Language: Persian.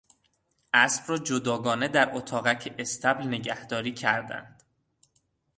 اسب را جداگانه در اتاقک اصطبل نگهداری کردند.